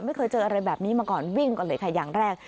ไม่เคยเจออะไรแบบนี้มาก่อนวิ่งก่อนเลยค่ะอย่างแรก